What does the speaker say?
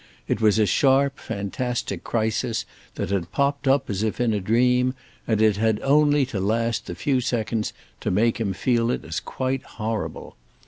It was a sharp fantastic crisis that had popped up as if in a dream, and it had had only to last the few seconds to make him feel it as quite horrible.